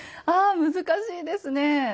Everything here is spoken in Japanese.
あ難しいですね。